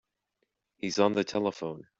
He's on the telephone.